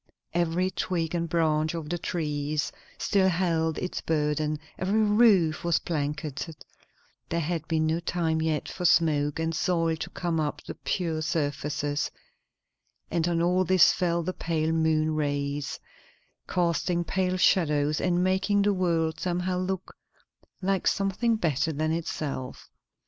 Every twig and branch of the trees still held its burden; every roof was blanketed; there had been no time yet for smoke and soil to come upon the pure surfaces; and on all this fell the pale moon rays, casting pale shadows and making the world somehow look like something better than itself.